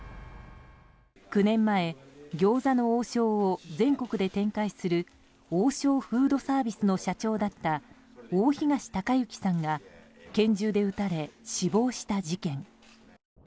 ９年前餃子の王将を全国で展開する王将フードサービスの社長だった大東隆行さんが拳銃で撃たれ死亡した事件。